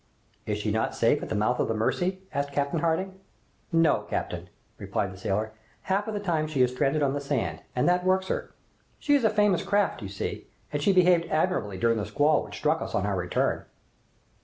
"Is she not safe at the mouth of the Mercy?" asked Cyrus Harding. "No, captain," replied the sailor. "Half of the time she is stranded on the sand, and that works her. She is a famous craft, you see, and she behaved admirably during the squall which struck us on our return."